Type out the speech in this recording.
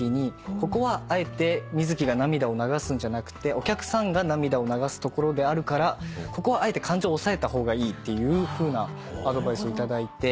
「ここはあえて瑞稀が涙を流すんじゃなくてお客さんが涙を流すところであるからここはあえて感情を抑えた方がいい」っていうアドバイスを頂いて。